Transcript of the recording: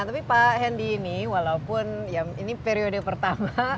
tapi pak hendy ini walaupun ini periode pertama